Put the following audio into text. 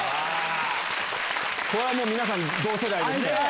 これは皆さん同世代ですから。